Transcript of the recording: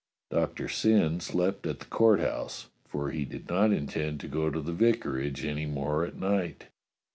Doctor Syn slept at the Court House, for he did not intend to go to the vicarage any more at night.